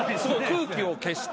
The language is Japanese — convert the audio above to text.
空気を消して。